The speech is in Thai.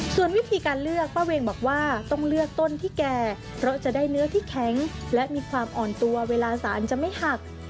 ส่วนวิธีการเลือกป้าเวงบอกว่าต้องเลือกต้นที่แก่เพราะจะได้เนื้อที่แข็งและมีความอ่อนตัวเวลาสารจะไม่หัก